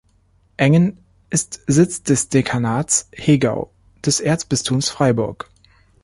Engen ist Sitz des Dekanats Hegau des Erzbistums Freiburg.